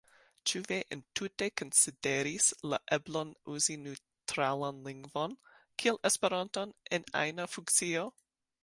Ĉu vi entute konsideris la eblon uzi neŭtralan lingvon, kiel Esperanton, en ajna funkcio?